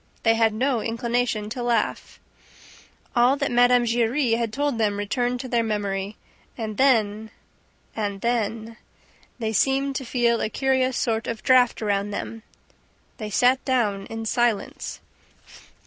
They had no inclination to laugh. All that Mme. Giry had told them returned to their memory ... and then ... and then ... they seemed to feel a curious sort of draft around them ... They sat down in silence.